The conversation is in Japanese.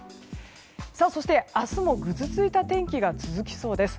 そして、明日もぐずついた天気が続きそうです。